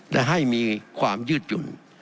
และให้มีความยืดหยุ่น